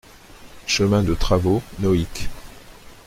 Chemin de Travaux, Nohic